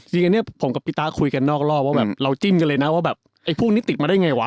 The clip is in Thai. จริงอันนี้ผมกับพี่ตาคุยกันนอกรอบว่าแบบเราจิ้มกันเลยนะว่าแบบไอ้พวกนี้ติดมาได้ไงวะ